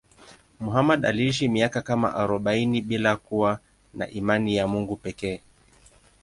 Muhammad aliishi miaka kama arobaini bila kuwa na imani ya Mungu pekee.